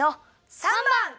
３ばん！